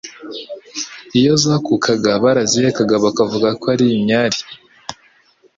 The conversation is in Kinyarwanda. Iyo zakukaga barazihekaga bakavuga ko ari “Imyari”